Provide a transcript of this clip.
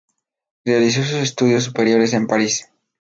Realizó sus estudios superiores en París.